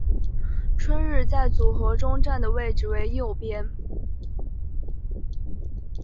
春日在组合中站的位置为右边。